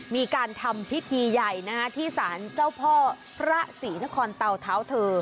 มีการทำพิธีใหญ่ที่สารเจ้าพ่อพระศรีนครเตาเท้าเธอ